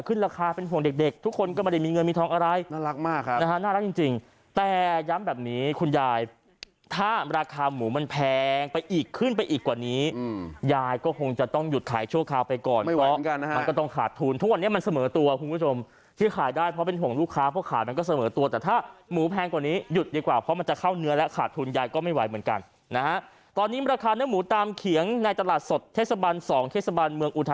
เอาไปก่อนไม่ไหวเหมือนกันนะฮะมันก็ต้องขาดทุนทุกวันนี้มันเสมอตัวคุณผู้ชมที่ขายได้เพราะเป็นห่วงลูกค้าเพราะขาดมันก็เสมอตัวแต่ถ้าหมูแพงกว่านี้หยุดดีกว่าเพราะมันจะเข้าเนื้อและขาดทุนยายก็ไม่ไหวเหมือนกันนะฮะตอนนี้ราคาเนื้อหมูตามเขียงในตลาดสดเทศบันสองเทศบันเมืองอุท